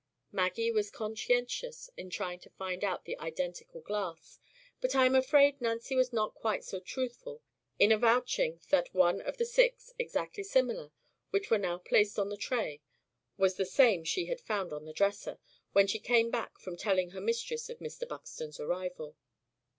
Maggie was conscientious in trying to find out the identical glass; but I am afraid Nancy was not quite so truthful in avouching that one of the six, exactly similar, which were now placed on the tray, was the same she had found on the dresser, when she came back from telling her mistress of Mr. Buxton's arrival.